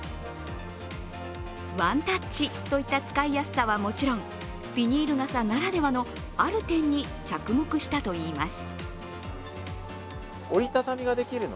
ワンタッチといった使いやすさはもちろん、ビニール傘ならではのある点に着目したといいます。